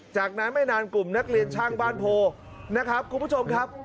จากนั้นไม่นานกลุ่มนักเรียนช่างบ้านโพนะครับคุณผู้ชมครับ